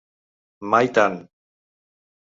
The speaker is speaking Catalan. Mai tant!